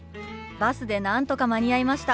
バスでなんとか間に合いました。